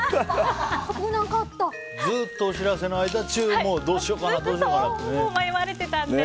ずっと、お知らせの間もどうしようかなってね。